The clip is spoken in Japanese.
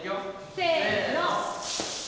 せの。